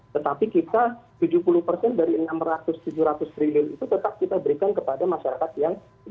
tetapi kita tujuh puluh dari enam ratus tujuh ratus triliun itu tetap kita berikan kepada masyarakat yang punya mobil